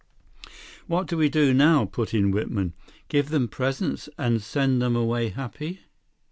"What do we do now?" put in Whitman. "Give them presents and send them away happy?"